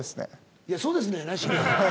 いや「そうですね」やなしに。